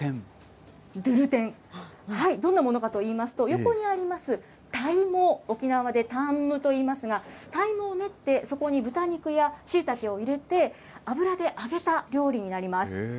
どんなものかといいますと、横にあります、田芋、沖縄でターンムといいますが、田芋を練って、そこに豚肉やしいたけを入れて、油で揚げた料理になります。